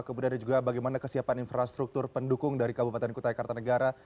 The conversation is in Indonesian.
kemudian ada juga bagaimana kesiapan infrastruktur pendukung dari kabupaten kutai kartanegara